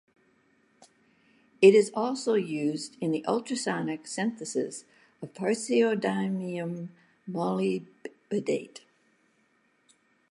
It is also used in the ultrasonic synthesis of praseodymium molybdate.